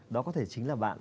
đó có thể chính là bạn